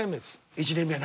１年目な。